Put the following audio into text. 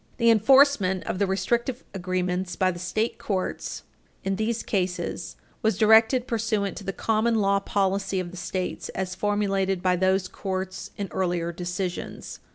The enforcement of the restrictive agreements by the state courts in these cases was directed pursuant to the common law policy of the States as formulated by those courts in earlier decisions.